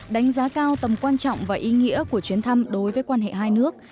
đánh giá cao tầm quan trọng và ý nghĩa của chuyến thăm đối với quan hệ hai nước